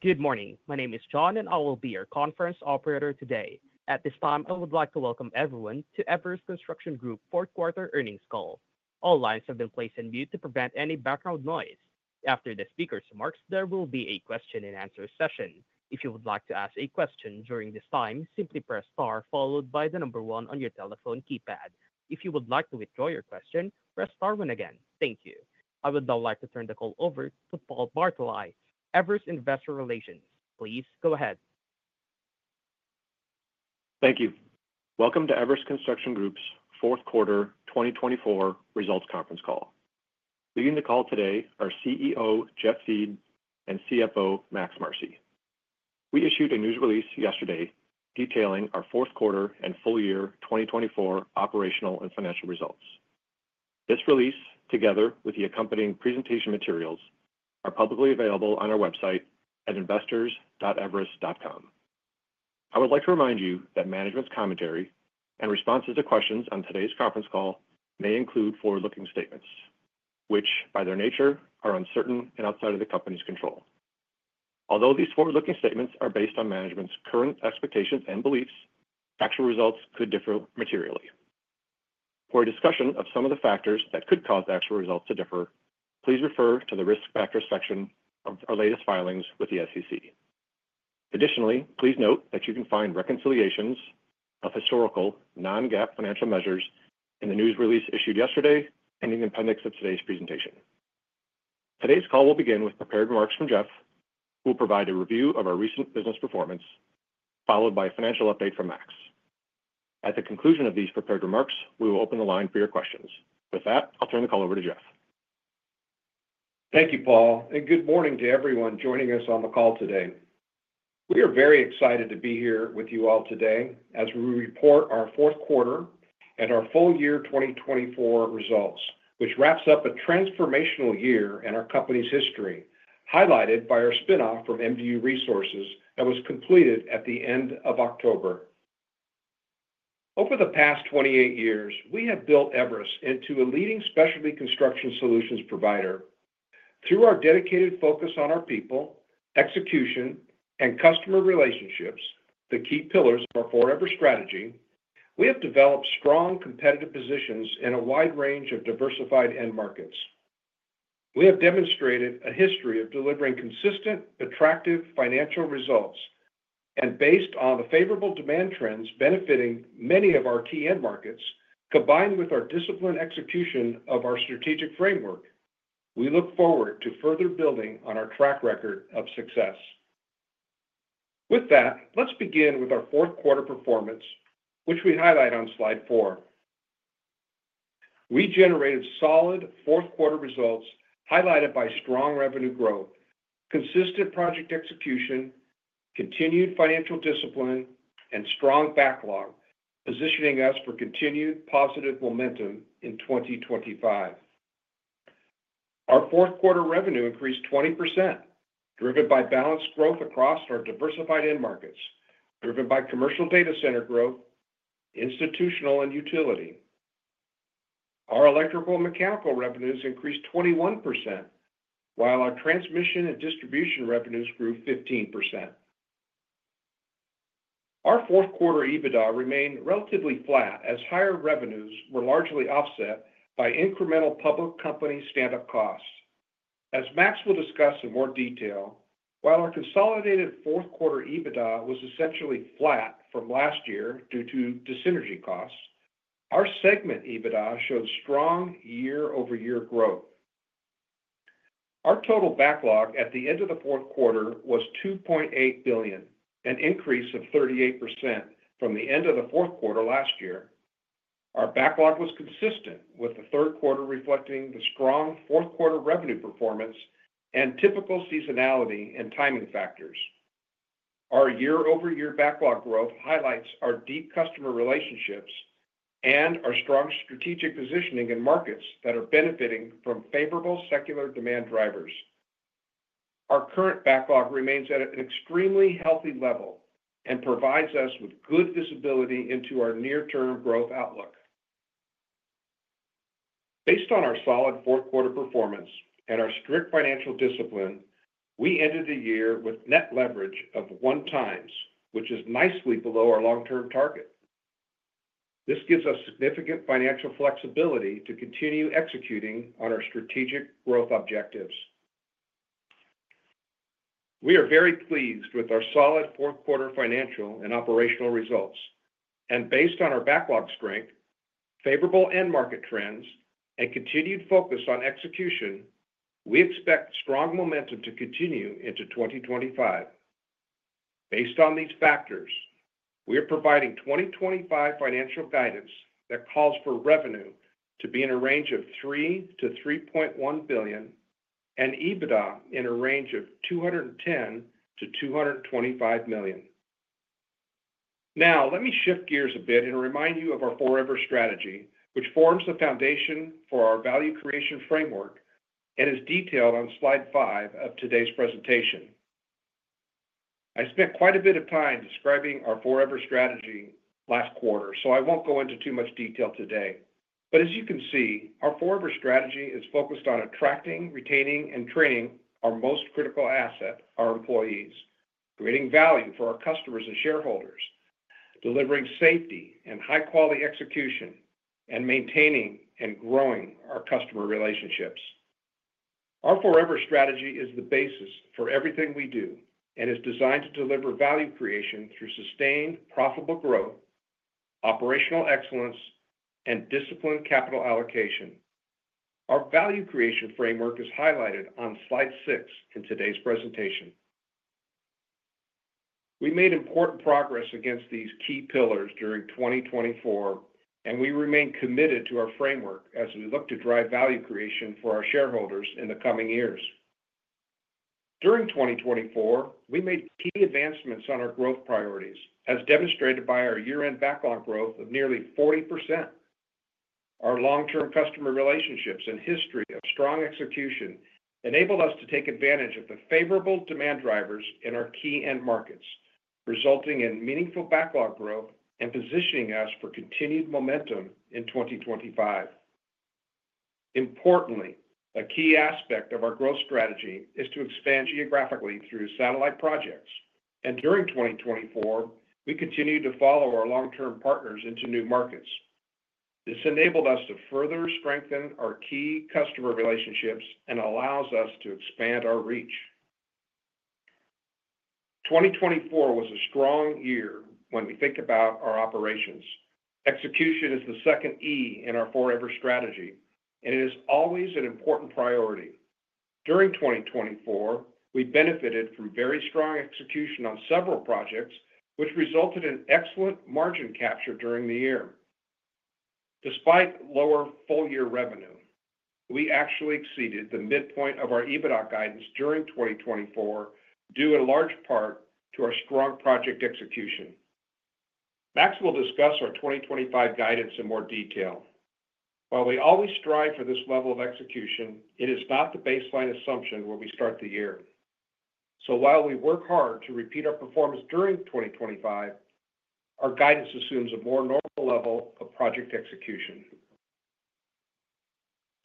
Good morning. My name is John, and I will be your conference operator today. At this time, I would like to welcome everyone to Everus Construction Group's fourth quarter earnings call. All lines have been placed on mute to prevent any background noise. After the speaker's remarks, there will be a question-and-answer session. If you would like to ask a question during this time, simply press star followed by the number one on your telephone keypad. If you would like to withdraw your question, press star one again. Thank you. I would now like to turn the call over to Paul Bartoli, Everus Investor Relations. Please go ahead. Thank you. Welcome to Everus Construction Group's fourth quarter 2024 results conference call. Leading the call today are CEO Jeff Thiede and CFO Max Marcy. We issued a news release yesterday detailing our fourth quarter and full year 2024 operational and financial results. This release, together with the accompanying presentation materials, is publicly available on our website at investors.everus.com. I would like to remind you that management's commentary and responses to questions on today's conference call may include forward-looking statements, which by their nature are uncertain and outside of the company's control. Although these forward-looking statements are based on management's current expectations and beliefs, actual results could differ materially. For a discussion of some of the factors that could cause actual results to differ, please refer to the risk factor section of our latest filings with the SEC. Additionally, please note that you can find reconciliations of historical non-GAAP financial measures in the news release issued yesterday and in the appendix of today's presentation. Today's call will begin with prepared remarks from Jeff, who will provide a review of our recent business performance, followed by a financial update from Max. At the conclusion of these prepared remarks, we will open the line for your questions. With that, I'll turn the call over to Jeff. Thank you, Paul, and good morning to everyone joining us on the call today. We are very excited to be here with you all today as we report our fourth quarter and our full year 2024 results, which wraps up a transformational year in our company's history, highlighted by our spinoff from MDU Resources that was completed at the end of October. Over the past 28 years, we have built Everus into a leading specialty construction solutions provider. Through our dedicated focus on our people, execution, and customer relationships, the key pillars of our forever strategy, we have developed strong competitive positions in a wide range of diversified end markets. We have demonstrated a history of delivering consistent, attractive financial results and, based on the favorable demand trends benefiting many of our key end markets, combined with our disciplined execution of our strategic framework, we look forward to further building on our track record of success. With that, let's begin with our fourth quarter performance, which we highlight on slide four. We generated solid fourth quarter results highlighted by strong revenue growth, consistent project execution, continued financial discipline, and strong backlog, positioning us for continued positive momentum in 2025. Our fourth quarter revenue increased 20%, driven by balanced growth across our diversified end markets, driven by commercial data center growth, institutional, and utility. Our electrical and mechanical revenues increased 21%, while our transmission and distribution revenues grew 15%. Our fourth quarter EBITDA remained relatively flat, as higher revenues were largely offset by incremental public company stand-up costs. As Max will discuss in more detail, while our consolidated fourth quarter EBITDA was essentially flat from last year due to synergy costs, our segment EBITDA showed strong year-over-year growth. Our total backlog at the end of the fourth quarter was $2.8 billion, an increase of 38% from the end of the fourth quarter last year. Our backlog was consistent, with the third quarter reflecting the strong fourth quarter revenue performance and typical seasonality and timing factors. Our year-over-year backlog growth highlights our deep customer relationships and our strong strategic positioning in markets that are benefiting from favorable secular demand drivers. Our current backlog remains at an extremely healthy level and provides us with good visibility into our near-term growth outlook. Based on our solid fourth quarter performance and our strict financial discipline, we ended the year with net leverage of 1.0x, which is nicely below our long-term target. This gives us significant financial flexibility to continue executing on our strategic growth objectives. We are very pleased with our solid fourth quarter financial and operational results, and based on our backlog strength, favorable end market trends, and continued focus on execution, we expect strong momentum to continue into 2025. Based on these factors, we are providing 2025 financial guidance that calls for revenue to be in a range of $3 to $3.1 billion and EBITDA in a range of $210 to $225 million. Now, let me shift gears a bit and remind you of our forever strategy, which forms the foundation for our value creation framework and is detailed on slide five of today's presentation. I spent quite a bit of time describing our forever strategy last quarter, so I won't go into too much detail today. But as you can see, our forever strategy is focused on attracting, retaining, and training our most critical asset, our employees, creating value for our customers and shareholders, delivering safety and high-quality execution, and maintaining and growing our customer relationships. Our forever strategy is the basis for everything we do and is designed to deliver value creation through sustained, profitable growth, operational excellence, and disciplined capital allocation. Our value creation framework is highlighted on slide six in today's presentation. We made important progress against these key pillars during 2024, and we remain committed to our framework as we look to drive value creation for our shareholders in the coming years. During 2024, we made key advancements on our growth priorities, as demonstrated by our year-end backlog growth of nearly 40%. Our long-term customer relationships and history of strong execution enabled us to take advantage of the favorable demand drivers in our key end markets, resulting in meaningful backlog growth and positioning us for continued momentum in 2025. Importantly, a key aspect of our growth strategy is to expand geographically through satellite projects, and during 2024, we continue to follow our long-term partners into new markets. This enabled us to further strengthen our key customer relationships and allows us to expand our reach. 2024 was a strong year when we think about our operations. Execution is the second E in our forever strategy, and it is always an important priority. During 2024, we benefited from very strong execution on several projects, which resulted in excellent margin capture during the year. Despite lower full year revenue, we actually exceeded the midpoint of our EBITDA guidance during 2024, due in large part to our strong project execution. Max will discuss our 2025 guidance in more detail. While we always strive for this level of execution, it is not the baseline assumption when we start the year. So while we work hard to repeat our performance during 2025, our guidance assumes a more normal level of project execution.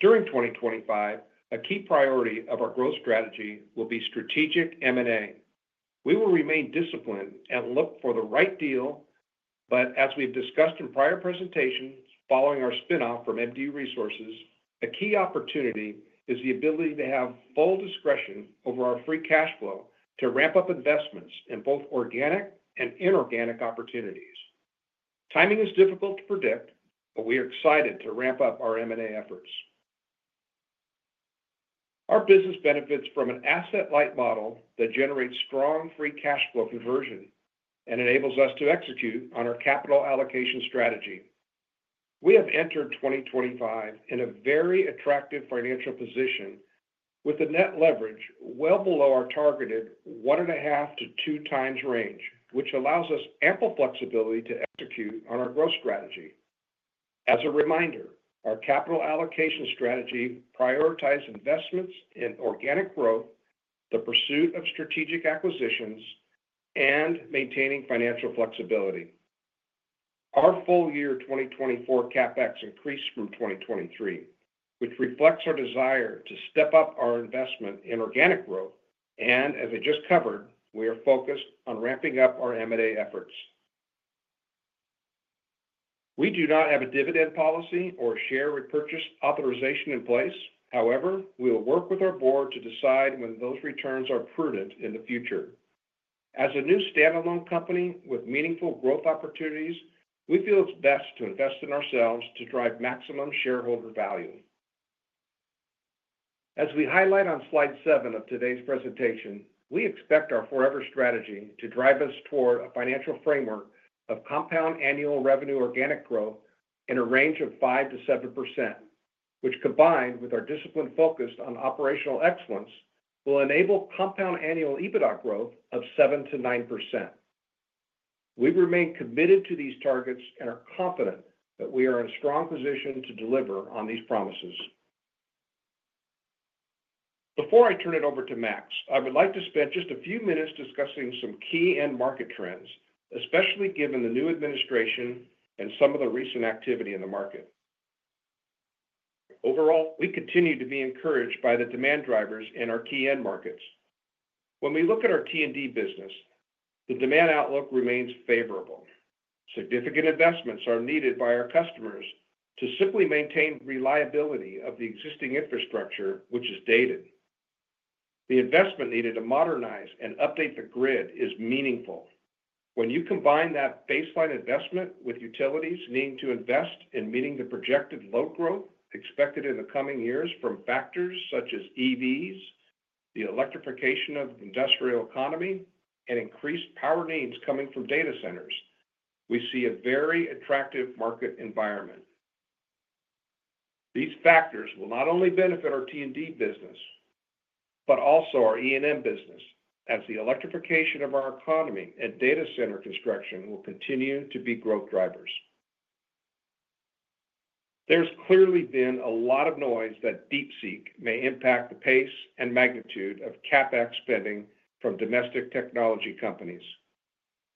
During 2025, a key priority of our growth strategy will be strategic M&A. We will remain disciplined and look for the right deal, but as we've discussed in prior presentations, following our spinoff from MDU Resources, a key opportunity is the ability to have full discretion over our free cash flow to ramp up investments in both organic and inorganic opportunities. Timing is difficult to predict, but we are excited to ramp up our M&A efforts. Our business benefits from an asset-light model that generates strong free cash flow conversion and enables us to execute on our capital allocation strategy. We have entered 2025 in a very attractive financial position with a net leverage well below our targeted one and a half to two times range, which allows us ample flexibility to execute on our growth strategy. As a reminder, our capital allocation strategy prioritizes investments in organic growth, the pursuit of strategic acquisitions, and maintaining financial flexibility. Our full year 2024 CapEx increased from 2023, which reflects our desire to step up our investment in organic growth, and as I just covered, we are focused on ramping up our M&A efforts. We do not have a dividend policy or share repurchase authorization in place. However, we will work with our board to decide when those returns are prudent in the future. As a new standalone company with meaningful growth opportunities, we feel it's best to invest in ourselves to drive maximum shareholder value. As we highlight on slide seven of today's presentation, we expect our forever strategy to drive us toward a financial framework of compound annual revenue organic growth in a range of 5%-7%, which, combined with our discipline focused on operational excellence, will enable compound annual EBITDA growth of 7%-9%. We remain committed to these targets and are confident that we are in a strong position to deliver on these promises. Before I turn it over to Max, I would like to spend just a few minutes discussing some key end market trends, especially given the new administration and some of the recent activity in the market. Overall, we continue to be encouraged by the demand drivers in our key end markets. When we look at our T&D business, the demand outlook remains favorable. Significant investments are needed by our customers to simply maintain reliability of the existing infrastructure, which is dated. The investment needed to modernize and update the grid is meaningful. When you combine that baseline investment with utilities needing to invest in meeting the projected load growth expected in the coming years from factors such as EVs, the electrification of the industrial economy, and increased power needs coming from data centers, we see a very attractive market environment. These factors will not only benefit our T&D business, but also our E&M business, as the electrification of our economy and data center construction will continue to be growth drivers. There's clearly been a lot of noise that DeepSeek may impact the pace and magnitude of CapEx spending from domestic technology companies.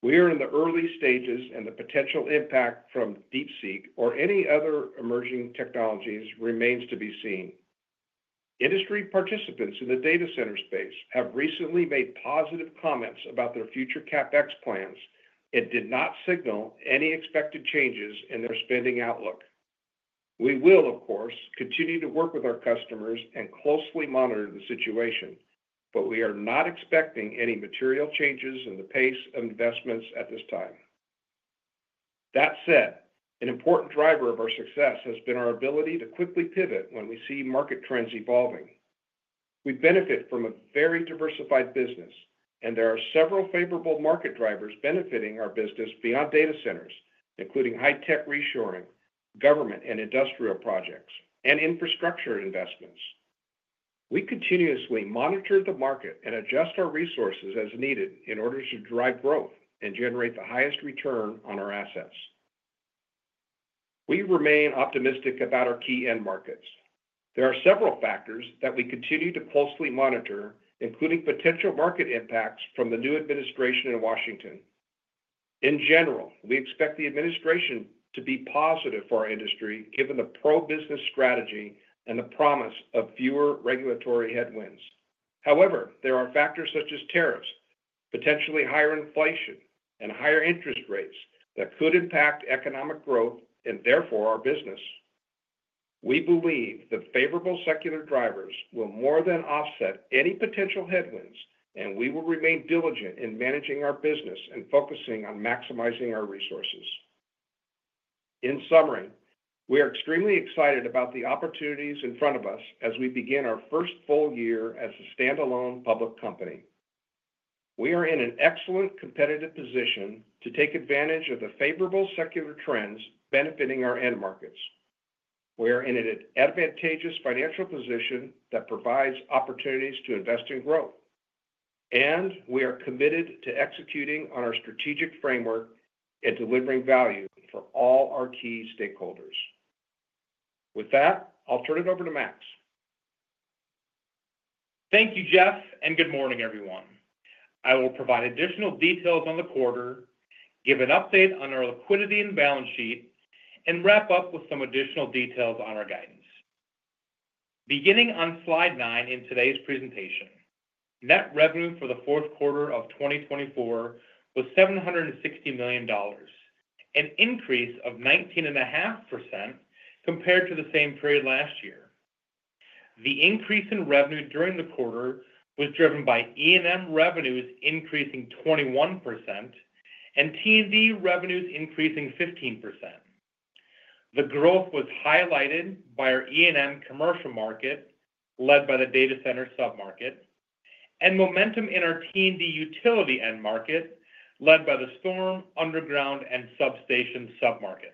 We are in the early stages, and the potential impact from DeepSeek or any other emerging technologies remains to be seen. Industry participants in the data center space have recently made positive comments about their future CapEx plans and did not signal any expected changes in their spending outlook. We will, of course, continue to work with our customers and closely monitor the situation, but we are not expecting any material changes in the pace of investments at this time. That said, an important driver of our success has been our ability to quickly pivot when we see market trends evolving. We benefit from a very diversified business, and there are several favorable market drivers benefiting our business beyond data centers, including high-tech reshoring, government and industrial projects, and infrastructure investments. We continuously monitor the market and adjust our resources as needed in order to drive growth and generate the highest return on our assets. We remain optimistic about our key end markets. There are several factors that we continue to closely monitor, including potential market impacts from the new administration in Washington. In general, we expect the administration to be positive for our industry, given the pro-business strategy and the promise of fewer regulatory headwinds. However, there are factors such as tariffs, potentially higher inflation, and higher interest rates that could impact economic growth and therefore our business. We believe the favorable secular drivers will more than offset any potential headwinds, and we will remain diligent in managing our business and focusing on maximizing our resources. In summary, we are extremely excited about the opportunities in front of us as we begin our first full year as a standalone public company. We are in an excellent competitive position to take advantage of the favorable secular trends benefiting our end markets. We are in an advantageous financial position that provides opportunities to invest in growth, and we are committed to executing on our strategic framework and delivering value for all our key stakeholders. With that, I'll turn it over to Max. Thank you, Jeff, and good morning, everyone. I will provide additional details on the quarter, give an update on our liquidity and balance sheet, and wrap up with some additional details on our guidance. Beginning on slide nine in today's presentation, net revenue for the fourth quarter of 2024 was $760 million, an increase of 19.5% compared to the same period last year. The increase in revenue during the quarter was driven by E&M revenues increasing 21% and T&D revenues increasing 15%. The growth was highlighted by our E&M commercial market, led by the data center submarket, and momentum in our T&D utility end market, led by the storm, underground, and substation submarkets.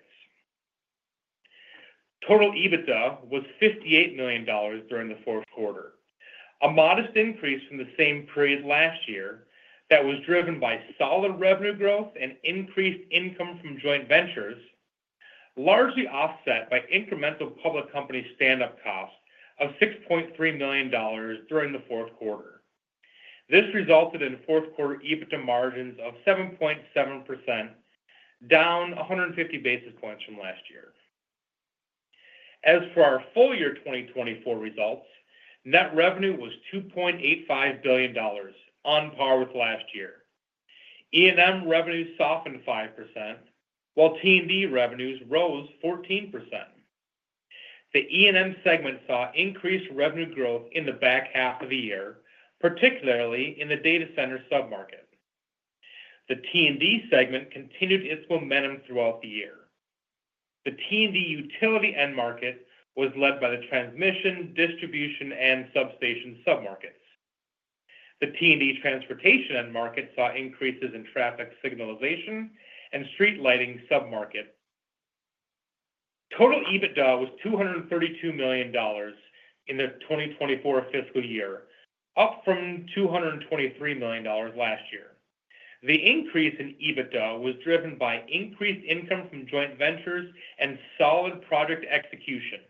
Total EBITDA was $58 million during the fourth quarter, a modest increase from the same period last year that was driven by solid revenue growth and increased income from joint ventures, largely offset by incremental public company stand-up costs of $6.3 million during the fourth quarter. This resulted in fourth quarter EBITDA margins of 7.7%, down 150 basis points from last year. As for our full year 2024 results, net revenue was $2.85 billion, on par with last year. E&M revenues softened 5%, while T&D revenues rose 14%. The E&M segment saw increased revenue growth in the back half of the year, particularly in the data center submarket. The T&D segment continued its momentum throughout the year. The T&D utility end market was led by the transmission, distribution, and substation submarkets. The T&D transportation end market saw increases in traffic signalization and street lighting submarket. Total EBITDA was $232 million in the 2024 fiscal year, up from $223 million last year. The increase in EBITDA was driven by increased income from joint ventures and solid project execution,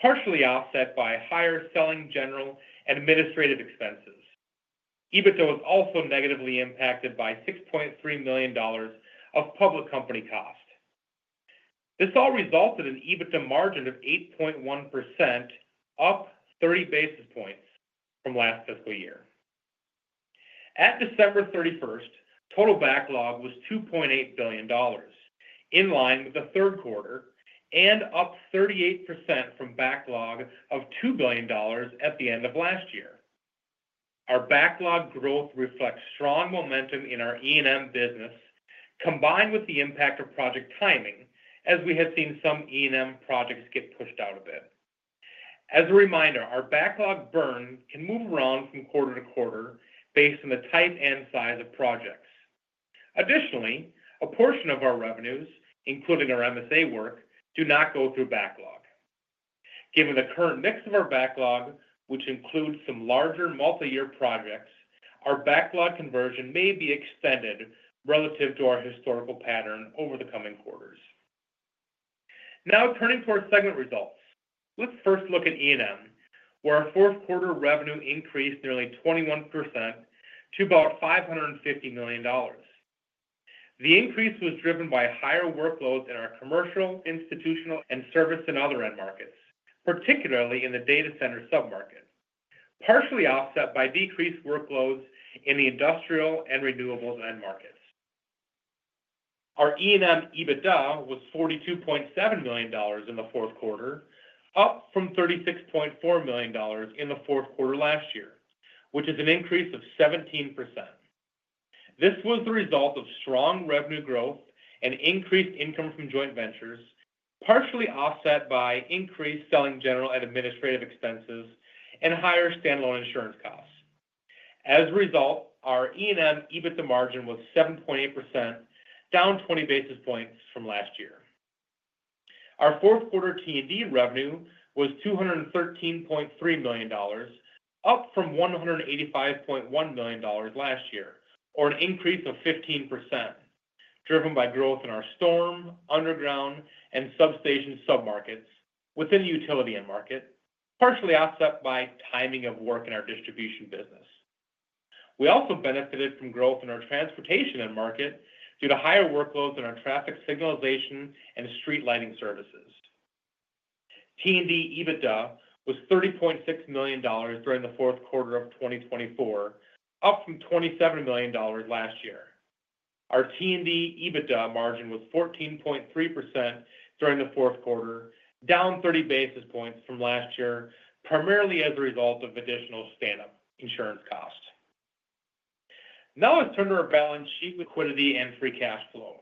partially offset by higher selling general and administrative expenses. EBITDA was also negatively impacted by $6.3 million of public company cost. This all resulted in EBITDA margin of 8.1%, up 30 basis points from last fiscal year. At December 31st, total backlog was $2.8 billion, in line with the third quarter and up 38% from backlog of $2 billion at the end of last year. Our backlog growth reflects strong momentum in our E&M business, combined with the impact of project timing, as we have seen some E&M projects get pushed out a bit. As a reminder, our backlog burn can move around from quarter to quarter based on the type and size of projects. Additionally, a portion of our revenues, including our MSA work, do not go through backlog. Given the current mix of our backlog, which includes some larger multi-year projects, our backlog conversion may be extended relative to our historical pattern over the coming quarters. Now, turning to our segment results, let's first look at E&M, where our fourth quarter revenue increased nearly 21% to about $550 million. The increase was driven by higher workloads in our commercial, institutional, and service and other end markets, particularly in the data center submarket, partially offset by decreased workloads in the industrial and renewables end markets. Our E&M EBITDA was $42.7 million in the fourth quarter, up from $36.4 million in the fourth quarter last year, which is an increase of 17%. This was the result of strong revenue growth and increased income from joint ventures, partially offset by increased selling general and administrative expenses and higher standalone insurance costs. As a result, our E&M EBITDA margin was 7.8%, down 20 basis points from last year. Our fourth quarter T&D revenue was $213.3 million, up from $185.1 million last year, or an increase of 15%, driven by growth in our storm, underground, and substation submarkets within the utility end market, partially offset by timing of work in our distribution business. We also benefited from growth in our transportation end market due to higher workloads in our traffic signalization and street lighting services. T&D EBITDA was $30.6 million during the fourth quarter of 2024, up from $27 million last year. Our T&D EBITDA margin was 14.3% during the fourth quarter, down 30 basis points from last year, primarily as a result of additional stand-up insurance cost. Now, let's turn to our balance sheet liquidity and free cash flow.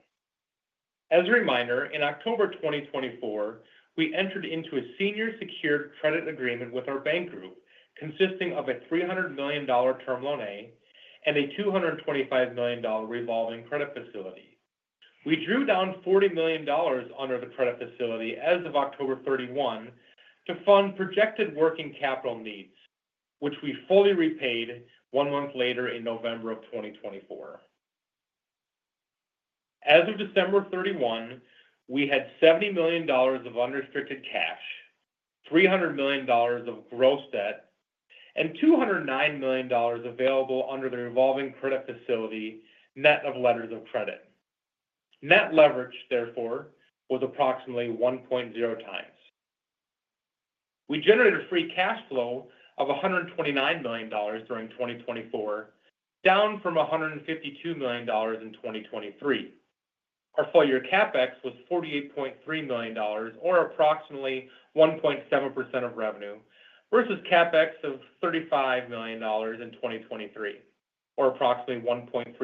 As a reminder, in October 2024, we entered into a senior secured credit agreement with our bank group, consisting of a $300 million term loan and a $225 million revolving credit facility. We drew down $40 million under the credit facility as of October 31 to fund projected working capital needs, which we fully repaid one month later in November of 2024. As of December 31, we had $70 million of unrestricted cash, $300 million of gross debt, and $209 million available under the revolving credit facility net of letters of credit. Net leverage, therefore, was approximately 1.0 times. We generated a free cash flow of $129 million during 2024, down from $152 million in 2023. Our full year CapEx was $48.3 million, or approximately 1.7% of revenue, versus CapEx of $35 million in 2023, or approximately 1.3%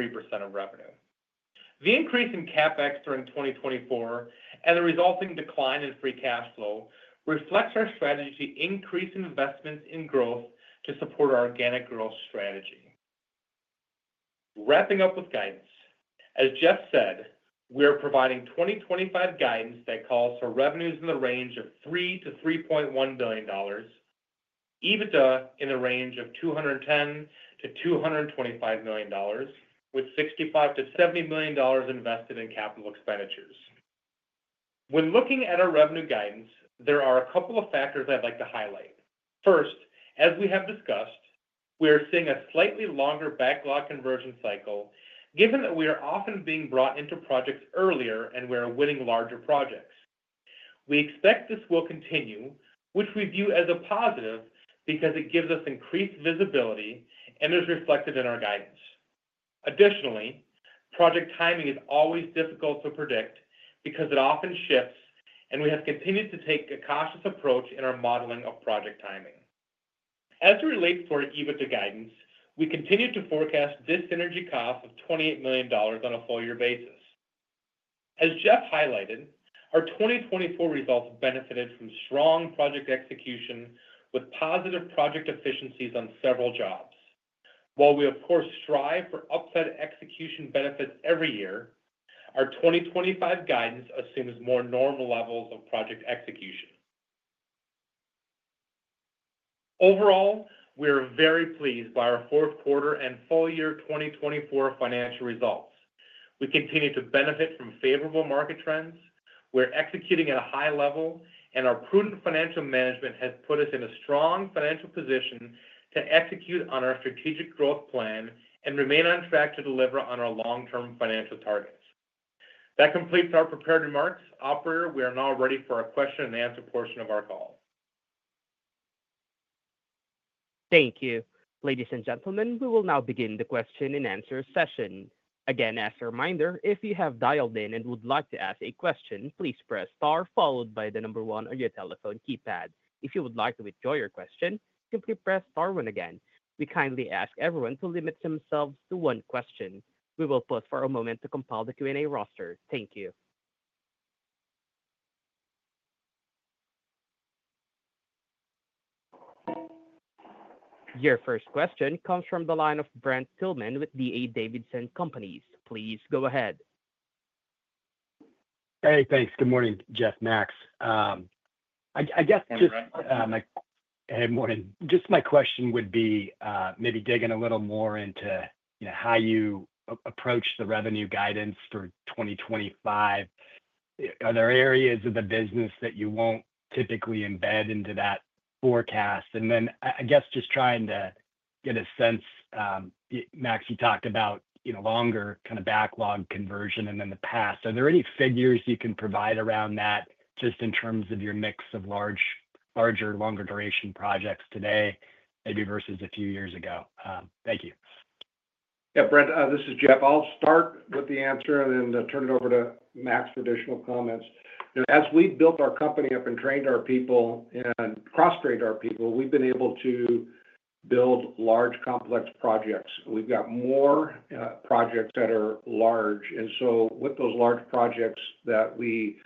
of revenue. The increase in CapEx during 2024 and the resulting decline in free cash flow reflects our strategy to increase investments in growth to support our organic growth strategy. Wrapping up with guidance. As Jeff said, we are providing 2025 guidance that calls for revenues in the range of $3-$3.1 billion, EBITDA in the range of $210-$225 million, with $65-$70 million invested in capital expenditures. When looking at our revenue guidance, there are a couple of factors I'd like to highlight. First, as we have discussed, we are seeing a slightly longer backlog conversion cycle, given that we are often being brought into projects earlier and we are winning larger projects. We expect this will continue, which we view as a positive because it gives us increased visibility and is reflected in our guidance. Additionally, project timing is always difficult to predict because it often shifts, and we have continued to take a cautious approach in our modeling of project timing. As it relates to our EBITDA guidance, we continue to forecast this synergy cost of $28 million on a full year basis. As Jeff highlighted, our 2024 results benefited from strong project execution with positive project efficiencies on several jobs. While we, of course, strive for upside execution benefits every year, our 2025 guidance assumes more normal levels of project execution. Overall, we are very pleased by our fourth quarter and full year 2024 financial results. We continue to benefit from favorable market trends. We're executing at a high level, and our prudent financial management has put us in a strong financial position to execute on our strategic growth plan and remain on track to deliver on our long-term financial targets. That completes our prepared remarks. Operator, we are now ready for our question and answer portion of our call. Thank you. Ladies and gentlemen, we will now begin the question and answer session. Again, as a reminder, if you have dialed in and would like to ask a question, please press star followed by the number one on your telephone keypad. If you would like to withdraw your question, simply press star one again. We kindly ask everyone to limit themselves to one question. We will pause for a moment to compile the Q&A roster. Thank you. Your first question comes from the line of Brent Thielman with D.A. Davidson Companies. Please go ahead. Hey, thanks. Good morning, Jeff, Max. I guess just my good morning. Just my question would be maybe digging a little more into how you approach the revenue guidance for 2025. Are there areas of the business that you won't typically embed into that forecast? And then I guess just trying to get a sense, Max, you talked about longer kind of backlog conversion and then the past. Are there any figures you can provide around that just in terms of your mix of larger, longer duration projects today, maybe versus a few years ago? Thank you. Yeah, Brent, this is Jeff. I'll start with the answer and then turn it over to Max for additional comments. As we've built our company up and trained our people and cross-trained our people, we've been able to build large complex projects. We've got more projects that are large. And so with those large projects that we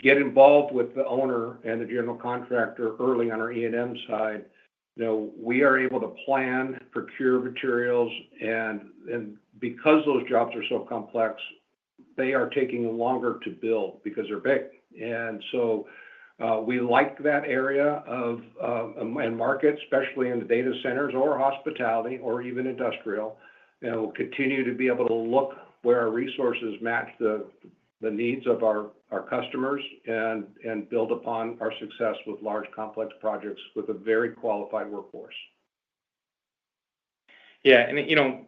get involved with the owner and the general contractor early on our E&M side, we are able to plan, procure materials. And because those jobs are so complex, they are taking longer to build because they're big. And so we like that area of market, especially in the data centers or hospitality or even industrial. And we'll continue to be able to look where our resources match the needs of our customers and build upon our success with large complex projects with a very qualified workforce. Yeah. And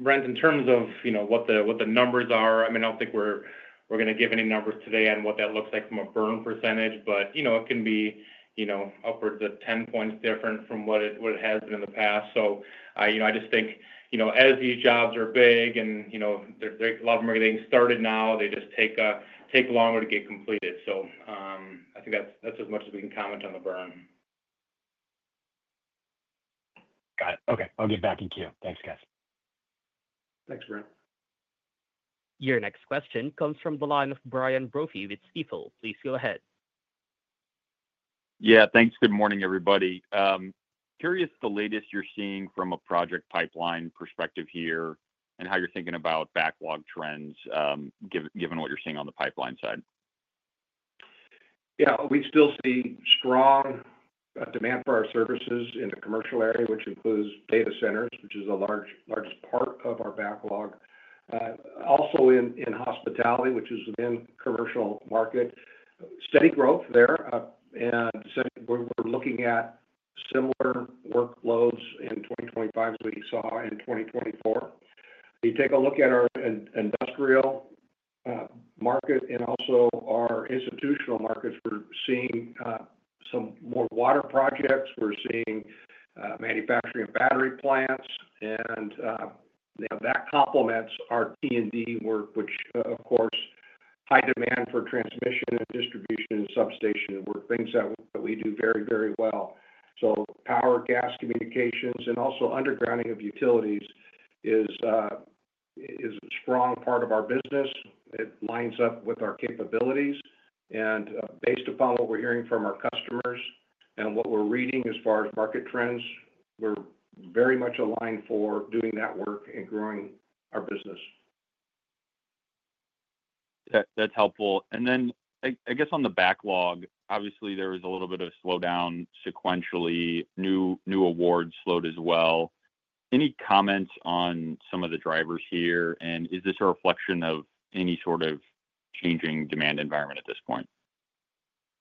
Brent, in terms of what the numbers are, I mean, I don't think we're going to give any numbers today on what that looks like from a burn percentage, but it can be upwards of 10 points different from what it has been in the past. So I just think as these jobs are big and a lot of them are getting started now, they just take longer to get completed. So I think that's as much as we can comment on the burn. Got it. Okay. I'll get back in queue. Thanks, guys. Thanks, Brent. Your next question comes from the line of Brian Brophy with Stifel. Please go ahead. Yeah, thanks. Good morning, everybody. Curious the latest you're seeing from a project pipeline perspective here and how you're thinking about backlog trends given what you're seeing on the pipeline side. Yeah, we still see strong demand for our services in the commercial area, which includes data centers, which is the largest part of our backlog. Also in hospitality, which is within the commercial market, steady growth there. And we're looking at similar workloads in 2025 as we saw in 2024. You take a look at our industrial market and also our institutional markets, we're seeing some more water projects. We're seeing manufacturing of battery plants. And that complements our T&D work, which, of course, high demand for transmission and distribution and substation work, things that we do very, very well. So power, gas, communications, and also undergrounding of utilities is a strong part of our business. It lines up with our capabilities. And based upon what we're hearing from our customers and what we're reading as far as market trends, we're very much aligned for doing that work and growing our business. That's helpful. And then I guess on the backlog, obviously, there was a little bit of slowdown sequentially. New awards slowed as well. Any comments on some of the drivers here? And is this a reflection of any sort of changing demand environment at this point?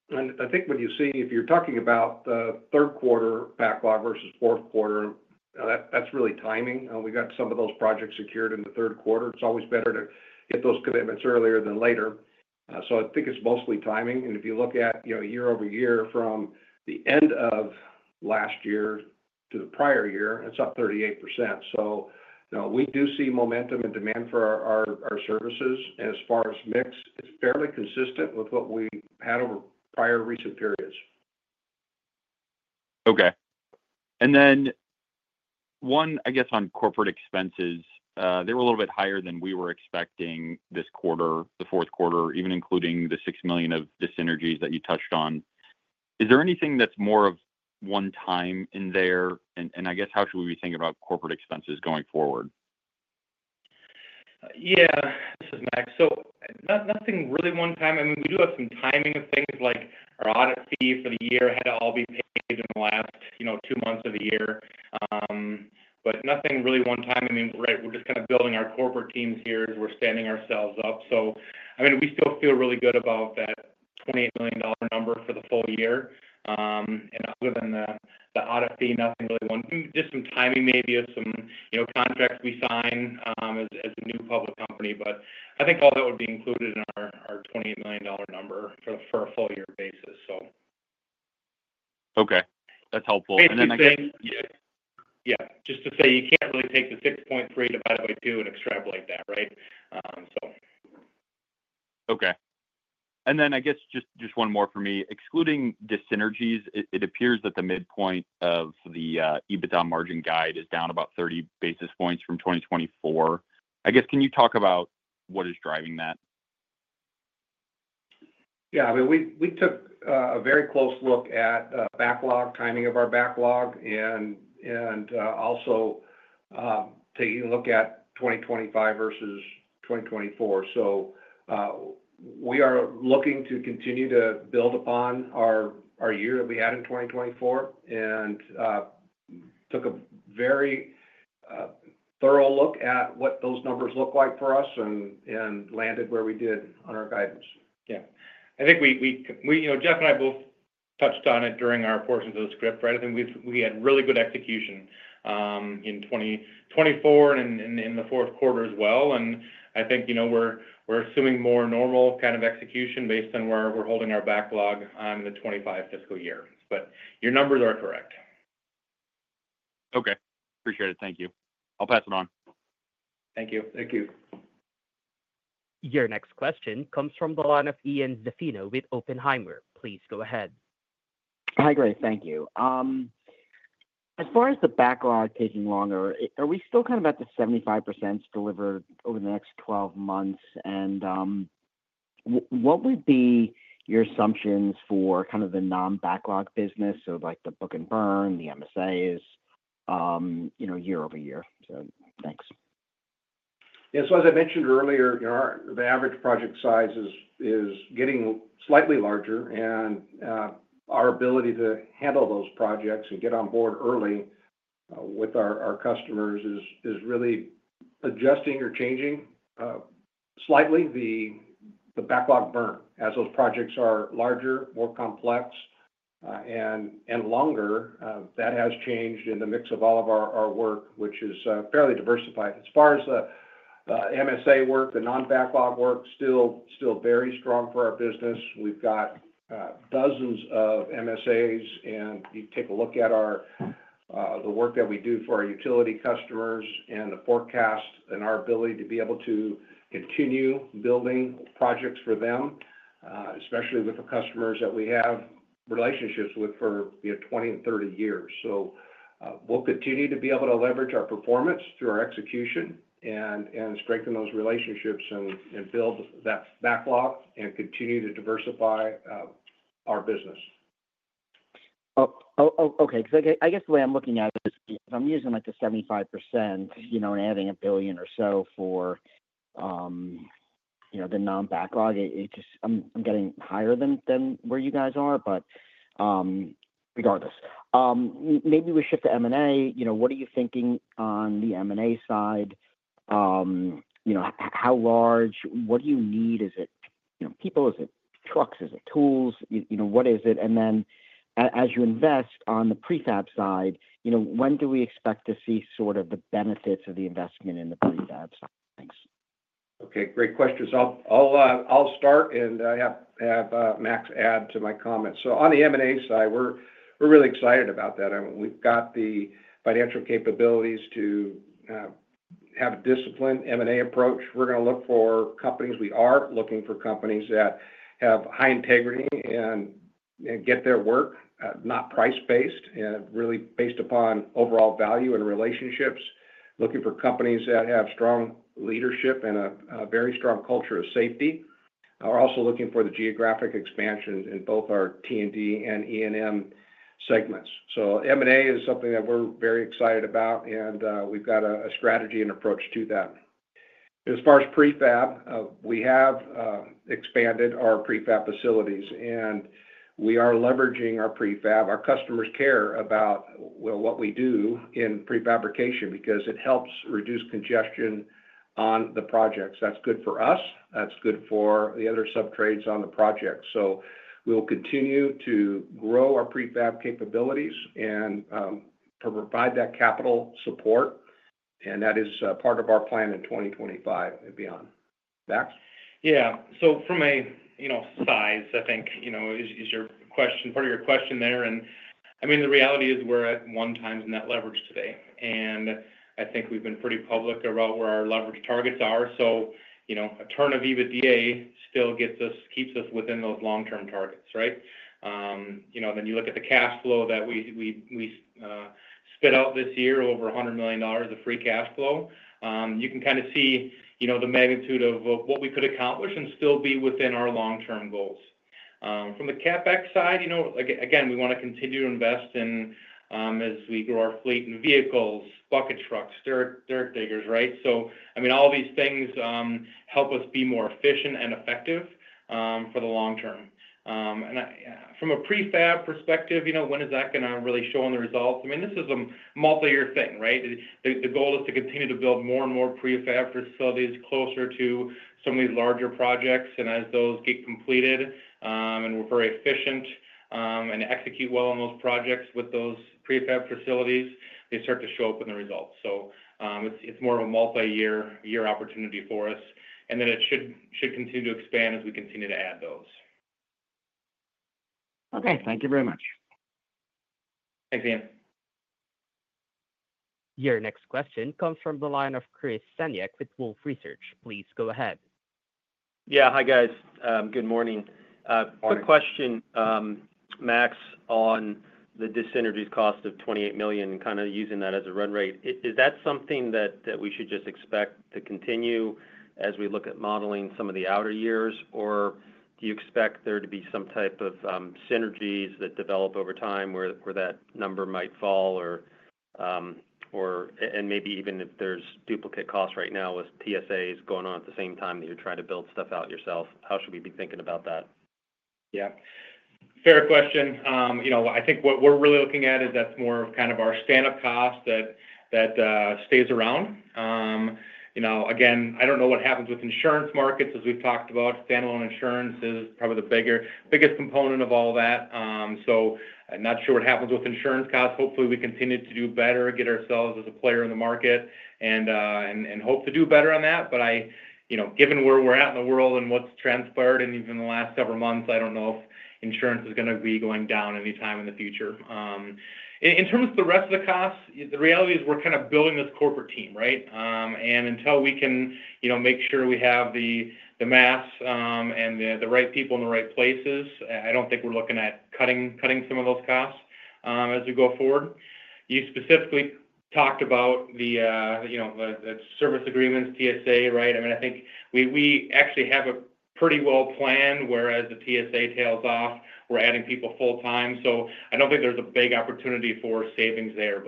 I think when you see, if you're talking about the third quarter backlog versus fourth quarter, that's really timing. We got some of those projects secured in the third quarter. It's always better to get those commitments earlier than later. So I think it's mostly timing. And if you look at year over year from the end of last year to the prior year, it's up 38%. So we do see momentum and demand for our services. And as far as mix, it's fairly consistent with what we had over prior recent periods. Okay. And then one, I guess on corporate expenses, they were a little bit higher than we were expecting this quarter, the fourth quarter, even including the $6 million of the synergies that you touched on. Is there anything that's more of one-time in there? And I guess how should we be thinking about corporate expenses going forward? Yeah, this is Max. So nothing really one-time. I mean, we do have some timing of things like our audit fee for the year had to all be paid in the last two months of the year. But nothing really one time. I mean, we're just kind of building our corporate teams here as we're standing ourselves up. So I mean, we still feel really good about that $28 million number for the full year. And other than the audit fee, nothing really one. Just some timing maybe of some contracts we sign as a new public company. But I think all that would be included in our $28 million number for a full year basis, so. Okay. That's helpful. And then I guess. Yeah. Just to say, you can't really take the 6.3 divided by two and extrapolate that, right? So. Okay. And then I guess just one more for me. Excluding the synergies, it appears that the midpoint of the EBITDA margin guide is down about 30 basis points from 2024. I guess can you talk about what is driving that? Yeah. I mean, we took a very close look at backlog, timing of our backlog, and also taking a look at 2025 versus 2024. So we are looking to continue to build upon our year that we had in 2024 and took a very thorough look at what those numbers look like for us and landed where we did on our guidance. Yeah. I think Jeff and I both touched on it during our portions of the script, right? I think we had really good execution in 2024 and in the fourth quarter as well. And I think we're assuming more normal kind of execution based on where we're holding our backlog on the 2025 fiscal year. But your numbers are correct. Okay. Appreciate it. Thank you. I'll pass it on. Thank you. Thank you. Your next question comes from the line of Ian Zaffino with Oppenheimer. Please go ahead. Hi, Grace. Thank you. As far as the backlog taking longer, are we still kind of at the 75% delivered over the next 12 months? And what would be your assumptions for kind of the non-backlog business, so like the book and burn, the MSAs, year over year? So thanks. Yeah. So as I mentioned earlier, the average project size is getting slightly larger. And our ability to handle those projects and get on board early with our customers is really adjusting or changing slightly the backlog burn as those projects are larger, more complex, and longer. That has changed in the mix of all of our work, which is fairly diversified. As far as the MSA work, the non-backlog work, still very strong for our business. We've got dozens of MSAs. And you take a look at the work that we do for our utility customers and the forecast and our ability to be able to continue building projects for them, especially with the customers that we have relationships with for 20 and 30 years. So we'll continue to be able to leverage our performance through our execution and strengthen those relationships and build that backlog and continue to diversify our business. Okay. Because I guess the way I'm looking at it is if I'm using like the 75% and adding $1 billion or so for the non-backlog, I'm getting higher than where you guys are. But regardless, maybe we shift to M&A. What are you thinking on the M&A side? How large? What do you need? Is it people? Is it trucks? Is it tools? What is it? And then as you invest on the prefab side, when do we expect to see sort of the benefits of the investment in the prefab side? Thanks. Okay. Great questions. I'll start, and I have Max add to my comments. So, on the M&A side, we're really excited about that. We've got the financial capabilities to have a disciplined M&A approach. We're going to look for companies. We are looking for companies that have high integrity and get their work not price-based, and really based upon overall value and relationships, looking for companies that have strong leadership and a very strong culture of safety. We're also looking for the geographic expansion in both our T&D and E&M segments. So, M&A is something that we're very excited about, and we've got a strategy and approach to that. As far as prefab, we have expanded our prefab facilities, and we are leveraging our prefab. Our customers care about what we do in prefabrication because it helps reduce congestion on the projects. That's good for us. That's good for the other subtrades on the project, so we will continue to grow our prefab capabilities and provide that capital support, and that is part of our plan in 2025 and beyond. Max? Yeah, so from a size, I think is your question, part of your question there, and I mean, the reality is we're at one times net leverage today, and I think we've been pretty public about where our leverage targets are, so a turn of EBITDA still keeps us within those long-term targets, right, then you look at the cash flow that we spit out this year, over $100 million of free cash flow. You can kind of see the magnitude of what we could accomplish and still be within our long-term goals. From the CapEx side, again, we want to continue to invest in as we grow our fleet and vehicles, bucket trucks, dirt diggers, right? So I mean, all these things help us be more efficient and effective for the long term. And from a prefab perspective, when is that going to really show in the results? I mean, this is a multi-year thing, right? The goal is to continue to build more and more prefab facilities closer to some of these larger projects. And as those get completed and we're very efficient and execute well on those projects with those prefab facilities, they start to show up in the results. So it's more of a multi-year opportunity for us. And then it should continue to expand as we continue to add those. Okay. Thank you very much. Thanks, Ian. Your next question comes from the line of Chris Senyek with Wolfe Research. Please go ahead. Yeah. Hi, guys. Good morning. Quick question, Max, on the synergies cost of $28 million and kind of using that as a run rate. Is that something that we should just expect to continue as we look at modeling some of the outer years, or do you expect there to be some type of synergies that develop over time where that number might fall? And maybe even if there's duplicate costs right now with TSAs going on at the same time that you're trying to build stuff out yourself, how should we be thinking about that? Yeah. Fair question. I think what we're really looking at is that's more of kind of our stand-up cost that stays around. Again, I don't know what happens with insurance markets, as we've talked about. Stand-alone insurance is probably the biggest component of all that, so I'm not sure what happens with insurance costs. Hopefully, we continue to do better, get ourselves as a player in the market, and hope to do better on that, but given where we're at in the world and what's transpired in even the last several months, I don't know if insurance is going to be going down anytime in the future. In terms of the rest of the costs, the reality is we're kind of building this corporate team, right? Until we can make sure we have the mass and the right people in the right places, I don't think we're looking at cutting some of those costs as we go forward. You specifically talked about the service agreements, TSA, right? I mean, I think we actually have a pretty well-planned whereas the TSA tails off. We're adding people full-time. I don't think there's a big opportunity for savings there.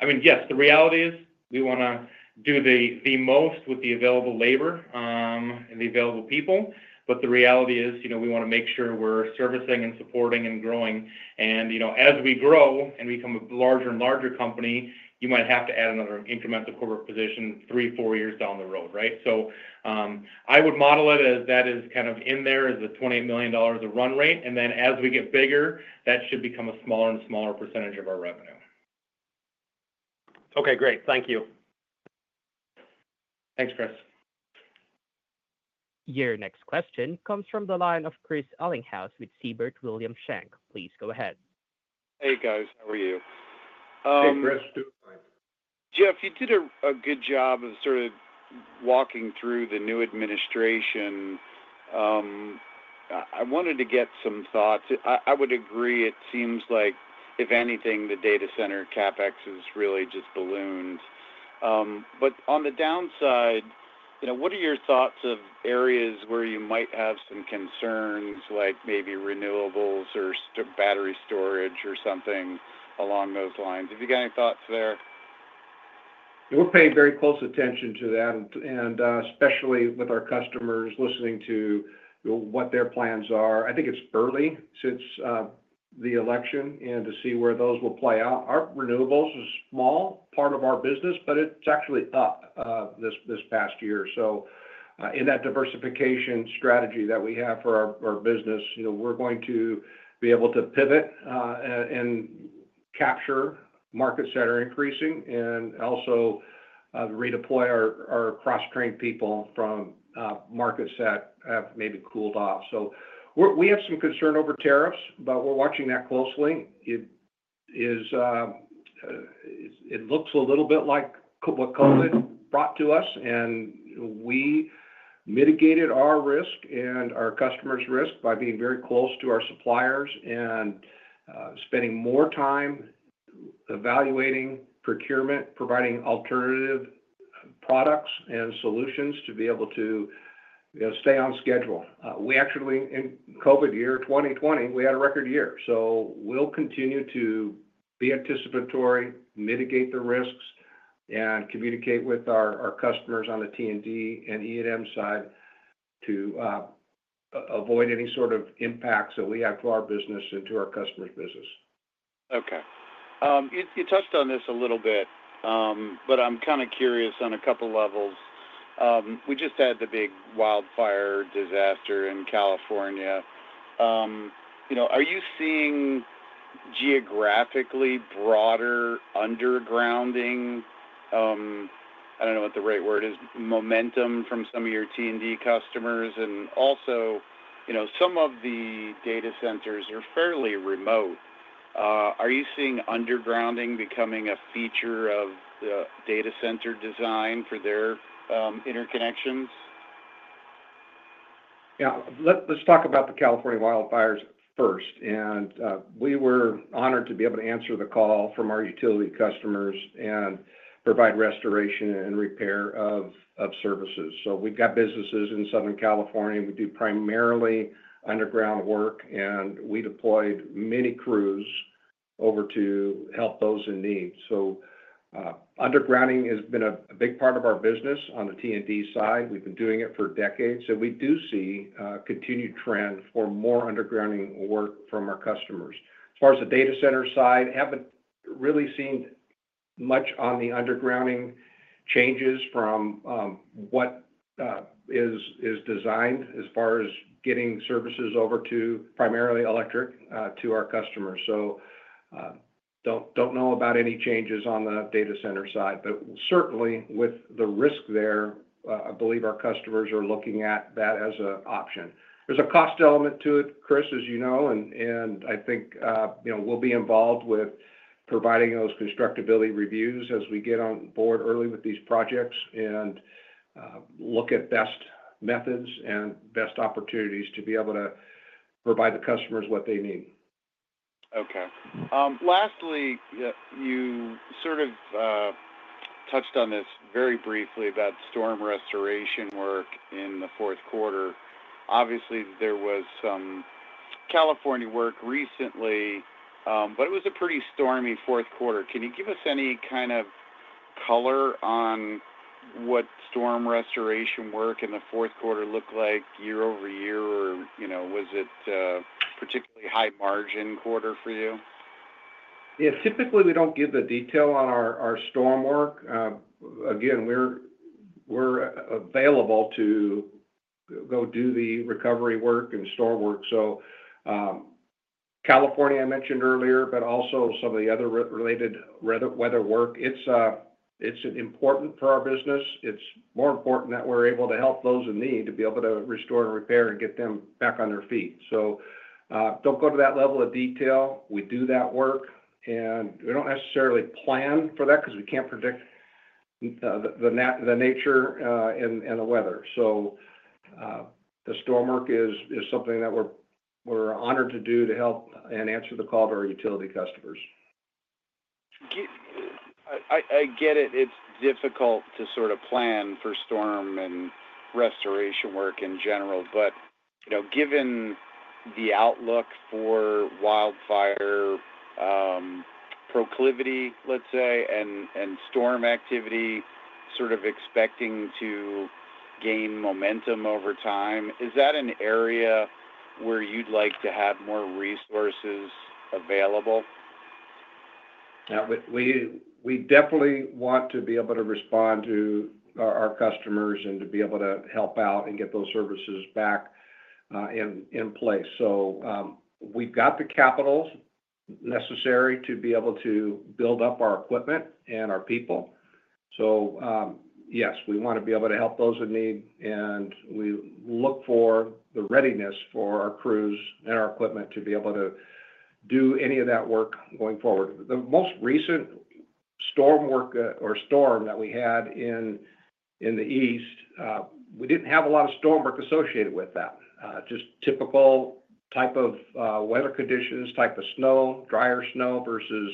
I mean, yes, the reality is we want to do the most with the available labor and the available people. The reality is we want to make sure we're servicing and supporting and growing. As we grow and become a larger and larger company, you might have to add another incremental corporate position three, four years down the road, right? So I would model it as that is kind of in there as the $28 million of run rate, and then as we get bigger, that should become a smaller and smaller percentage of our revenue. Okay. Great. Thank you. Thanks, Chris. Your next question comes from the line of Chris Ellinghaus with Siebert Williams Shank. Please go ahead. Hey, guys. How are you? Hey, great. Jeff, you did a good job of sort of walking through the new administration. I wanted to get some thoughts. I would agree. It seems like, if anything, the data center CapEx has really just ballooned. But on the downside, what are your thoughts of areas where you might have some concerns, like maybe renewables or battery storage or something along those lines? Have you got any thoughts there? We're paying very close attention to that, and especially with our customers listening to what their plans are. I think it's early since the election and to see where those will play out. Our renewables is a small part of our business, but it's actually up this past year, so in that diversification strategy that we have for our business, we're going to be able to pivot and capture markets that are increasing and also redeploy our cross-trained people from markets that have maybe cooled off, so we have some concern over tariffs, but we're watching that closely. It looks a little bit like what COVID brought to us, and we mitigated our risk and our customers' risk by being very close to our suppliers and spending more time evaluating procurement, providing alternative products and solutions to be able to stay on schedule. In COVID year 2020, we had a record year. So we'll continue to be anticipatory, mitigate the risks, and communicate with our customers on the T&D and E&M side to avoid any sort of impact that we have to our business and to our customers' business. Okay. You touched on this a little bit, but I'm kind of curious on a couple of levels. We just had the big wildfire disaster in California. Are you seeing geographically broader undergrounding? I don't know what the right word is. Momentum from some of your T&D customers. And also, some of the data centers are fairly remote. Are you seeing undergrounding becoming a feature of the data center design for their interconnections? Yeah. Let's talk about the California wildfires first. And we were honored to be able to answer the call from our utility customers and provide restoration and repair of services. So we've got businesses in Southern California. We do primarily underground work, and we deployed many crews over to help those in need. So undergrounding has been a big part of our business on the T&D side. We've been doing it for decades. So we do see a continued trend for more undergrounding work from our customers. As far as the data center side, I haven't really seen much on the undergrounding changes from what is designed as far as getting services over to primarily electric to our customers. So don't know about any changes on the data center side. But certainly, with the risk there, I believe our customers are looking at that as an option. There's a cost element to it, Chris, as you know. I think we'll be involved with providing those constructability reviews as we get on board early with these projects and look at best methods and best opportunities to be able to provide the customers what they need. Okay. Lastly, you sort of touched on this very briefly about storm restoration work in the fourth quarter. Obviously, there was some California work recently, but it was a pretty stormy fourth quarter. Can you give us any kind of color on what storm restoration work in the fourth quarter looked like year over year? Or was it a particularly high-margin quarter for you? Yeah. Typically, we don't give the detail on our storm work. Again, we're available to go do the recovery work and storm work. So California I mentioned earlier, but also some of the other related weather work. It's important for our business. It's more important that we're able to help those in need to be able to restore and repair and get them back on their feet. So don't go to that level of detail. We do that work. And we don't necessarily plan for that because we can't predict the nature and the weather. So the storm work is something that we're honored to do to help and answer the call to our utility customers. I get it. It's difficult to sort of plan for storm and restoration work in general. But given the outlook for wildfire proclivity, let's say, and storm activity sort of expecting to gain momentum over time, is that an area where you'd like to have more resources available? Yeah. We definitely want to be able to respond to our customers and to be able to help out and get those services back in place. So we've got the capital necessary to be able to build up our equipment and our people. So yes, we want to be able to help those in need. And we look for the readiness for our crews and our equipment to be able to do any of that work going forward. The most recent storm work or storm that we had in the east, we didn't have a lot of storm work associated with that. Just typical type of weather conditions, type of snow, drier snow versus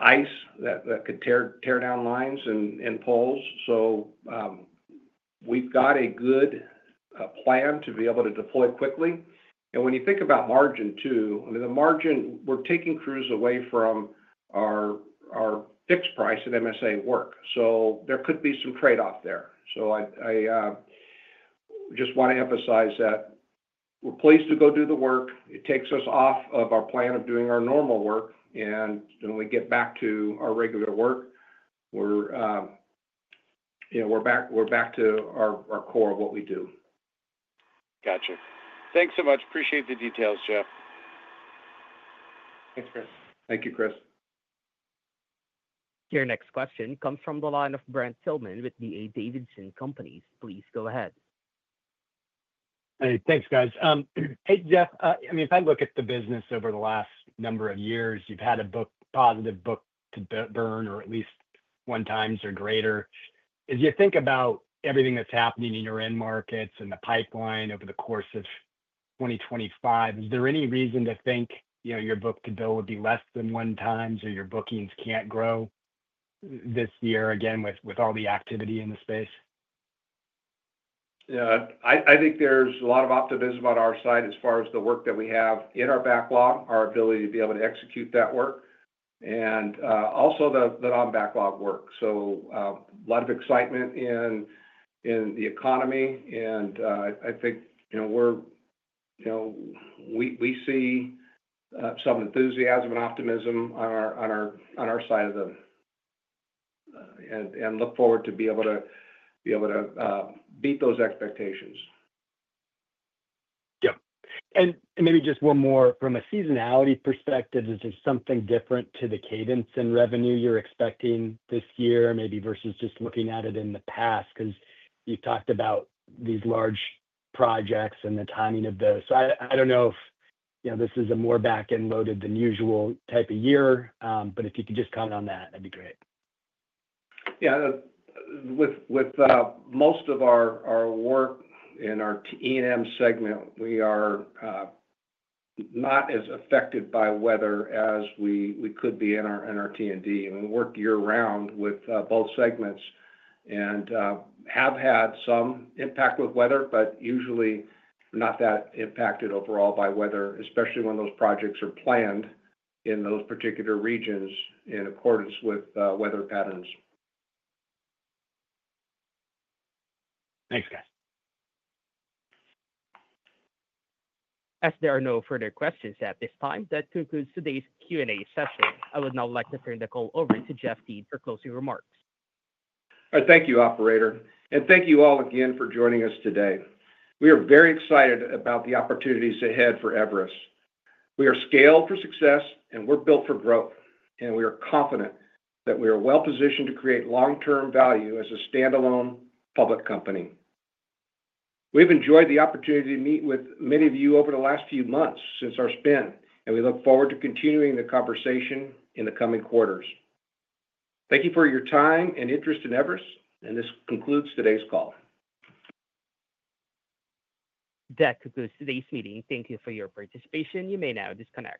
ice that could tear down lines and poles. So we've got a good plan to be able to deploy quickly. And when you think about margin too, I mean, the margin, we're taking crews away from our fixed price at MSA work. So there could be some trade-off there. So I just want to emphasize that we're pleased to go do the work. It takes us off of our plan of doing our normal work. And when we get back to our regular work, we're back to our core of what we do. Gotcha. Thanks so much. Appreciate the details, Jeff. Thanks, Chris. Thank you, Chris. Your next question comes from the line of Brent Thielman with D.A. Davidson Companies. Please go ahead. Hey. Thanks, guys. Hey, Jeff. I mean, if I look at the business over the last number of years, you've had a positive book-to-burn or at least one times or greater. As you think about everything that's happening in your end markets and the pipeline over the course of 2025, is there any reason to think your book-to-burn would be less than one times or your bookings can't grow this year, again, with all the activity in the space? Yeah. I think there's a lot of optimism on our side as far as the work that we have in our backlog, our ability to execute that work, and also the non-backlog work. So a lot of excitement in the economy, and I think we see some enthusiasm and optimism on our side of things and look forward to be able to beat those expectations. Yep, and maybe just one more from a seasonality perspective. Is there something different to the cadence and revenue you're expecting this year, maybe versus just looking at it in the past? Because you've talked about these large projects and the timing of those. So I don't know if this is a more back-end loaded than usual type of year. But if you could just comment on that, that'd be great. Yeah. With most of our work in our E&M segment, we are not as affected by weather as we could be in our T&D. And we work year-round with both segments and have had some impact with weather, but usually not that impacted overall by weather, especially when those projects are planned in those particular regions in accordance with weather patterns. Thanks, guys. As there are no further questions at this time, that concludes today's Q&A session. I would now like to turn the call over to Jeff Thiede for closing remarks. Thank you, Operator. And thank you all again for joining us today. We are very excited about the opportunities ahead for Everus. We are scaled for success, and we're built for growth. And we are confident that we are well-positioned to create long-term value as a standalone public company. We've enjoyed the opportunity to meet with many of you over the last few months since our spin, and we look forward to continuing the conversation in the coming quarters. Thank you for your time and interest in Everus, and this concludes today's call. That concludes today's meeting. Thank you for your participation. You may now disconnect.